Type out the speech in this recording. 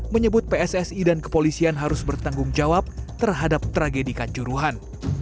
menyebut pssi dan kepolisian harus bertanggung jawab terhadap tragedi kanjuruhan